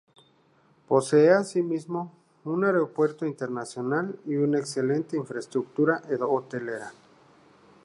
Posee así mismo un aeropuerto internacional y una excelente infraestructura hotelera.